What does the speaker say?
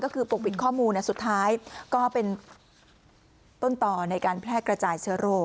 ก็คือปกปิดข้อมูลสุดท้ายก็เป็นต้นต่อในการแพร่กระจายเชื้อโรค